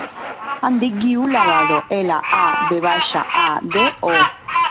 Em dic Guiu Lavado: ela, a, ve baixa, a, de, o.